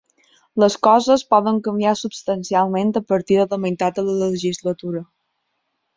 Les coses poden canviar substancialment a partir de la meitat de la legislatura.